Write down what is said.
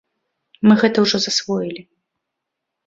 Мы гэта ўжо засвоілі.